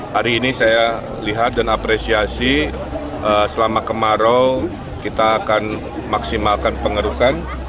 hari ini saya lihat dan apresiasi selama kemarau kita akan maksimalkan pengerukan